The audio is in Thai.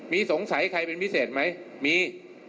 มีสงสัยใครเป็นพิเศษไหมมี